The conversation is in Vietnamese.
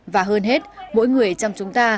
và hơn hết mỗi người trong chúng ta